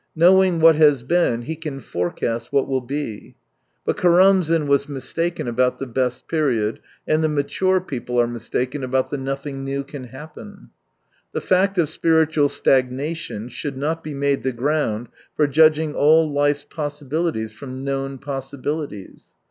Knowing what has been he can forecast what will be. But Karamzin was mistaken about the best period, and the " mature " people are mistaken about the " nothing new can happen." The fact of spiritual stagnation should not be made the ground for judging all life's possibilities froija known possibilities.